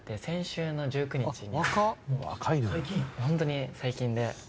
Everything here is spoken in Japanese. ホントに最近で。